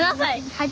はい。